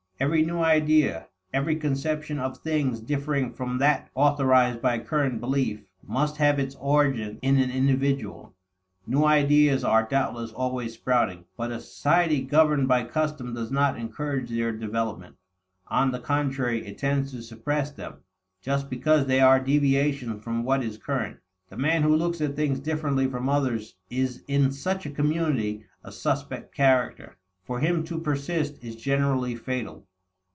Every new idea, every conception of things differing from that authorized by current belief, must have its origin in an individual. New ideas are doubtless always sprouting, but a society governed by custom does not encourage their development. On the contrary, it tends to suppress them, just because they are deviations from what is current. The man who looks at things differently from others is in such a community a suspect character; for him to persist is generally fatal.